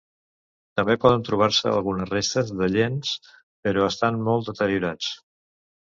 També poden trobar-se algunes restes de llenç però estan molt deteriorats.